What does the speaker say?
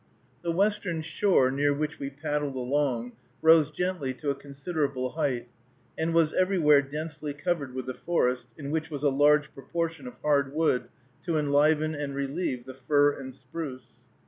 The western shore, near which we paddled along, rose gently to a considerable height, and was everywhere densely covered with the forest, in which was a large proportion of hard wood to enliven and relieve the fir and spruce.